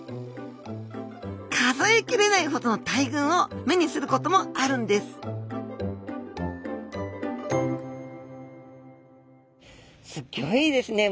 数え切れないほどの大群を目にすることもあるんですすっギョいですね